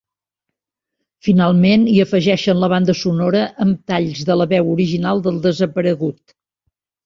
Finalment, hi afegeixen la banda sonora amb talls de la veu original del desaparegut.